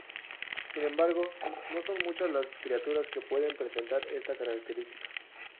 Sin embargo, no son muchas las criaturas que pueden presentar esta característica.